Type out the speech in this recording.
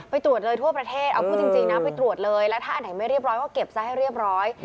ตรวจเลยทั่วประเทศเอาพูดจริงนะไปตรวจเลยแล้วถ้าอันไหนไม่เรียบร้อยก็เก็บซะให้เรียบร้อย